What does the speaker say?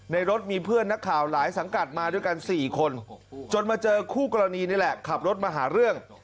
รถมีเพื่อนนักข่าวหลายสังกัดมาด้วยกัน๔คนจนมาเจอคู่กรณีนี่แหละขับรถมาหาเรื่อง